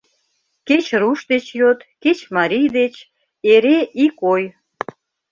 Кеч руш деч йод, кеч марий деч — эре ик ой: